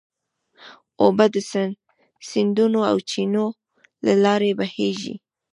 اوبه د سیندونو او چینو له لارې بهېږي.